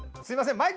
すいません